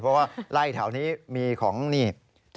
เพราะว่าไล่แถวนี้มีของนี่